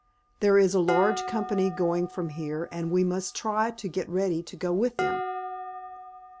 There is a large company going from here, and we must try to get ready to go with them."